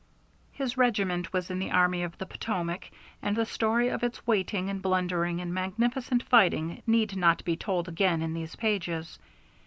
His regiment was in the Army of the Potomac, and the story of its waiting and blundering and magnificent fighting need not be told again in these pages.